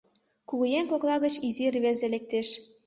Кугыеҥ кокла гыч изи рвезе лектеш.